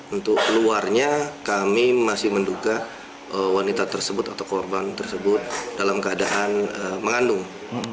untuk luarnya kami masih menduga wanita tersebut atau korban tersebut dalam keadaan mengandung